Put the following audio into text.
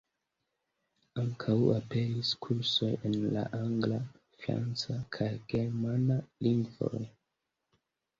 Ankaŭ aperis kursoj en la angla, franca kaj germana lingvoj.